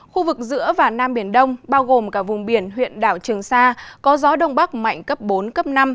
khu vực giữa và nam biển đông bao gồm cả vùng biển huyện đảo trường sa có gió đông bắc mạnh cấp bốn cấp năm